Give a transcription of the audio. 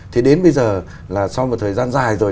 thì đến bây giờ là sau một thời gian dài rồi